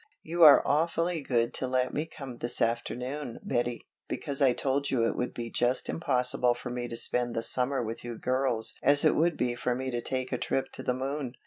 "You are awfully good to let me come this afternoon, Betty, because I told you it would be just impossible for me to spend the summer with you girls as it would be for me to take a trip to the moon.